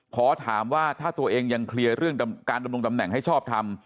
ขอถามว่าถ้าตัวเองยังเคลียร์เรื่องการดำรงตำแหน่งให้ชอบทำ